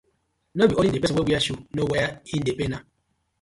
No be only di person wey wear shoe know where e dey pain am.